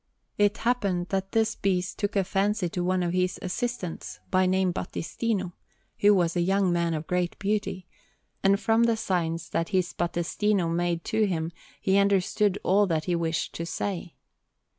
It happened that this beast took a fancy to one of his assistants, by name Battistino, who was a young man of great beauty; and from the signs that his Battistino made to him he understood all that he wished to say.